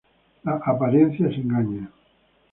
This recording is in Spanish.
Las apariencias engañan